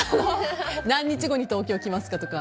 何日後に東京来ますかとか。